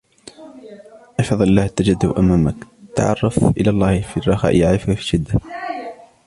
احْفَظِ اللهَ تَجِدْهُ أَمَامَكَ، تَعَرَّفْ إِلَى اللهِ فِي الرَّخَاءِ يَعْرِفْكَ فِي الشِّدَّةِ